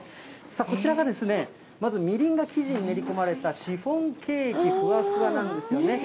さあ、こちらがまずみりんが生地に練り込まれたシフォンケーキ、ふわふわなんですよね。